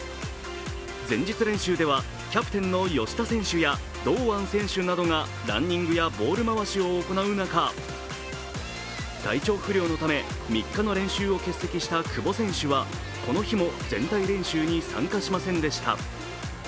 前日練習ではキャプテンの吉田選手や堂安選手などがランニングやボール回しを行う中、体調不良のため３日の練習を欠席した久保選手はこの日も全体練習に参加しませんでした。